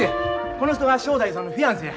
この人が正太夫さんのフィアンセや。